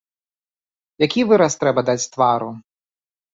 Які выраз трэба даць твару?